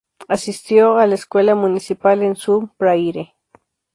Asistió a la Escuela Municipal en Sun Prairie.